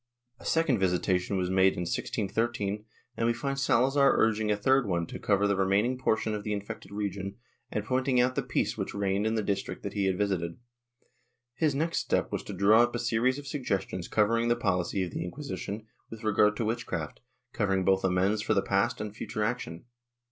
A second Chap. IX] HUMANE 1I:^STRUCTI0NS 235 visitation was made in 1613 and vre find Salazar urging a third one to cover the remaining portion of the infected region, and pointing out the peace which reigned in the district that he had visited. His next step was to draw up a series of suggestions covering the pohcy of the Inquisition with regard to witchcraft, covering both amends for the past and future action.